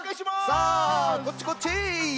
さあこっちこっち。